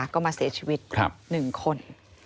ก็มาเสียชีวิต๑คน